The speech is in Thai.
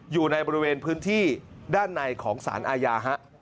อยู่ในบริเวณพื้นที่ด้านในของสารอาญา